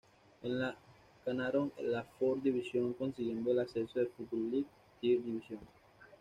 En la ganaron la Fourth Division, consiguiendo el ascenso a Football League Third Division.